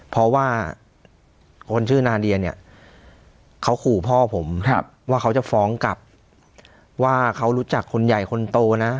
เพราะว่าคนชื่อนาเดียเนี่ยเขาขู่พ่อผมว่าเขาจะฟ้องกลับว่าเขารู้จักคนใหญ่คนโตนะ